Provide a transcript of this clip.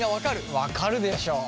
分かるでしょ！